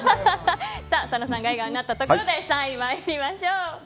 佐野さんが笑顔になったところで３位に参りましょう。